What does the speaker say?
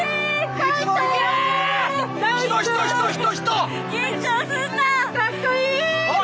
かっこいい！